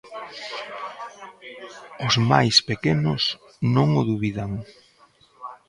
Os máis pequenos non o dubidan.